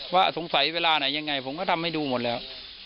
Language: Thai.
ว่าสงสัยเวลาไหนยังไงผมก็ทำให้ดูหมดแล้ว